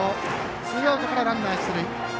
ツーアウトからランナー出塁。